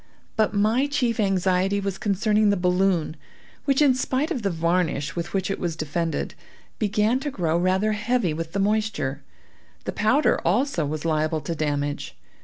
But my chief anxiety was concerning the balloon, which, in spite of the varnish with which it was defended, began to grow rather heavy with the moisture; the powder also was liable to damage.